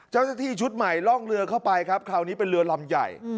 เจ้าหน้าที่ชุดใหม่ร่องเรือเข้าไปครับคราวนี้เป็นเรือลำใหญ่